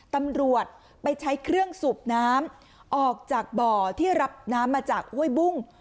ตำรวจไปใช้เครื่องสูบน้ำออกจากบ่อที่รับน้ำมาจากห้วยบุ้ง